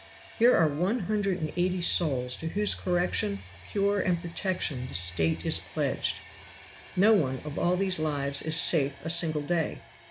Here are one hundred and eighty souls to whose correction, cure and protection the State is pledged. No one of all these lives is safe a single day.